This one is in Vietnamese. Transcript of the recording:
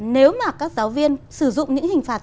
nếu mà các giáo viên sử dụng những hình phạt